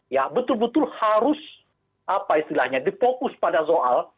ya betul betul harus apa istilahnya difokus pada soal